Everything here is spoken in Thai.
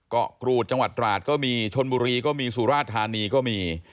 กรูดจังหวัดตราดก็มีชนบุรีก็มีสุราธานีก็มี